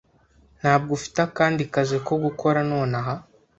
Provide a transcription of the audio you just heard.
Ntabwo ufite akandi kazi ko gukora nonaha?